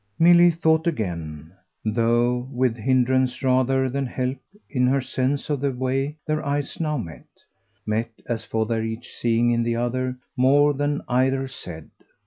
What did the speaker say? Milly thought again, though with hindrance rather than help in her sense of the way their eyes now met met as for their each seeing in the other more than either said.